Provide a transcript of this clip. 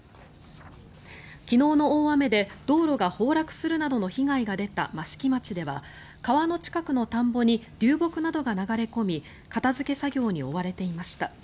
昨日の大雨で道路が崩落するなどの被害が出た益城町では川の近くの田んぼに流木などが流れ込み片付け作業に追われていました。